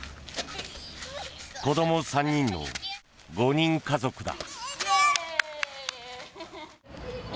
子供３人の５人家族だ。